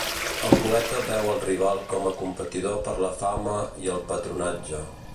El poeta veu el rival com a competidor per la fama i el patronatge.